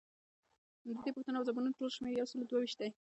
ددې پوښتنو او ځوابونو ټول شمیر یوسلو دوه ویشت دی.